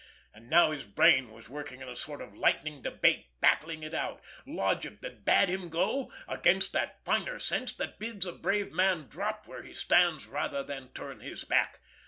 And now his brain was working in a sort of lightning debate, battling it out—logic that bade him go, against that finer sense that bids a brave man drop where he stands rather than turn his back.